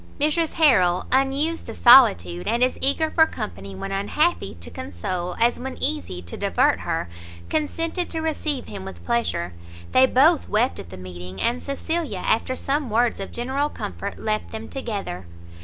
Mrs Harrel, unused to solitude, and as eager for company when unhappy to console, as when easy to divert her, consented to receive him with pleasure; they both wept at the meeting, and Cecilia, after some words of general comfort, left them together.